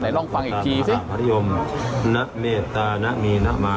นายลองฟังอีกทีสิ